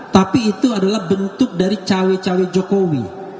tapi itu adalah bentuk dari cawe cawe jokowi